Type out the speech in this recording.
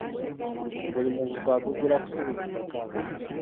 Buli mugogo agugula ku silingi kakaaga.